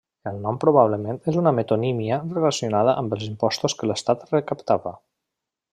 El nom probablement és una metonímia relacionada amb els impostos que l'Estat recaptava.